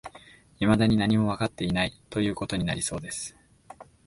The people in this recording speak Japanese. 未だに何もわかっていない、という事になりそうです